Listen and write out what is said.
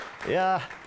いや。